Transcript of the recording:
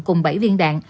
cùng bảy viên đạn